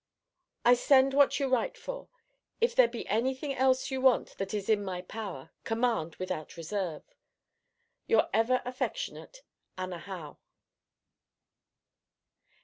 I send what you write for. If there be any thing else you want that is in my power, command without reserve Your ever affectionate ANNA HOWE.